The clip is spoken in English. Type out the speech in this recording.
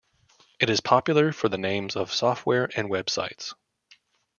It is popular for the names of software and websites.